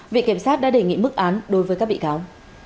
viện kiểm sát đã đề nghị mức án đối với các bị cáo